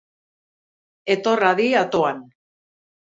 Etor hadi atoan!